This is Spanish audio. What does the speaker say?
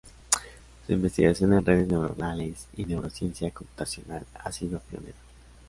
Su investigación en redes neuronales y neurociencia computacional ha sido pionera.